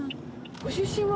ご出身は？